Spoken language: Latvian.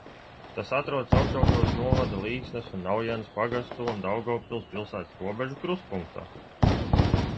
Tas atrodas Augšdaugavas novada Līksnas un Naujenes pagastu un Daugavpils pilsētas robežu krustpunktā.